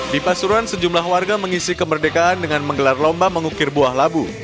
di pasuruan sejumlah warga mengisi kemerdekaan dengan menggelar lomba mengukir buah labu